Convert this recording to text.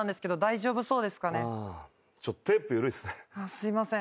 すいません。